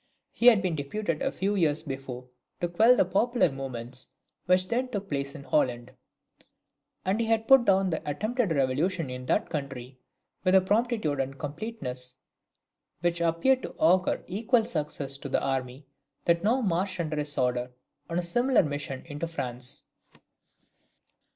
He had been deputed a few years before to quell the popular movements which then took place in Holland; and he had put down the attempted revolution in that country with a promptitude and completeness, which appeared to augur equal success to the army that now marched under his orders on a similar mission into France.